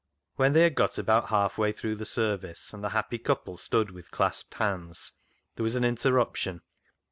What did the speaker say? When they had got about halfway through the service, and the happy couple stood with clasped hands, there was an interruption.